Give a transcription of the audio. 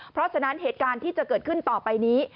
เพราะฉะนั้นเหตุการณ์ที่จะเกิดขึ้นต่อไปนี้